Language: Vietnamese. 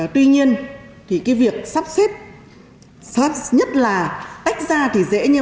tuy nhiên thì cái việc sắp xếp sắp nhất là tách ra thì dễ